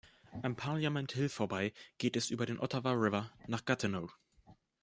Am Parliament Hill vorbei geht es über den Ottawa River nach Gatineau.